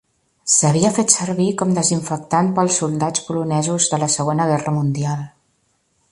S’havia fet servir com desinfectant pels soldats polonesos de la Segona Guerra Mundial.